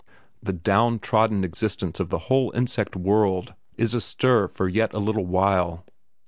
The down trodden existence of the whole insect world is astir for yet a little while.